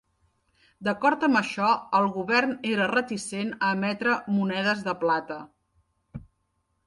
D'acord amb això, el govern era reticent a emetre monedes de plata.